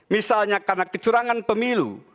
misalnya karena kecurangan pemilu